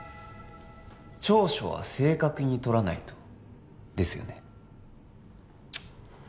調書は正確に取らないとですよね？